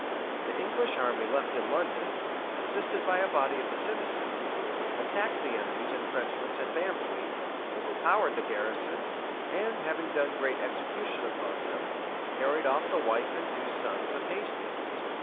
The English army left in London, assisted by a body of the citizens, attacked the enemy's intrenchments at Bamflete, overpowered the garrison, and having done great execution upon them, carried off the wife and two sons of Hastings.